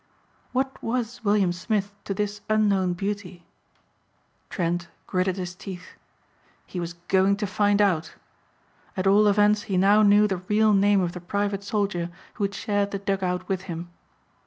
What was William Smith to this unknown beauty? Trent gritted his teeth. He was going to find out. At all events he now knew the real name of the private soldier who had shared the dug out with him.